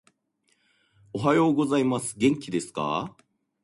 おはようございます。元気ですか？